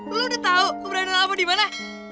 lu udah tahu keberanian alva di mana